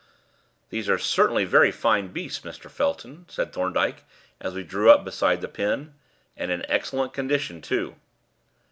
"These are certainly very fine beasts, Mr. Felton," said Thorndyke, as we drew up beside the pen, "and in excellent condition, too."